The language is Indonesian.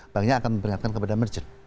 banknya akan memperingatkan kepada merchant